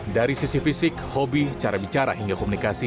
dari sisi fisik hobi cara bicara hingga komunikasi